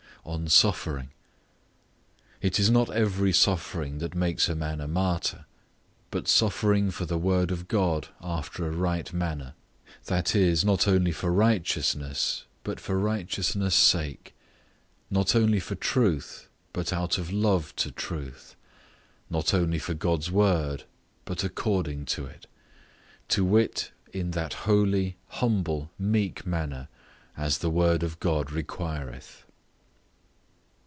ON SUFFERING. It is not every suffering that makes a man a martyr; but suffering for the Word of God after a right manner; that is, not only for righteousness, but for righteousness' sake; not only for truth, but out of love to truth; not only for God's Word, but according to it: to wit, in that holy, humble, meek manner, as the Word of God requireth.